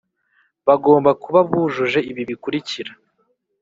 Bagomba kuba bujuje ibi bikurikira